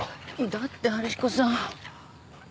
だって春彦さん。